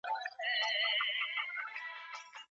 د هلکانو لیلیه بې اسنادو نه ثبت کیږي.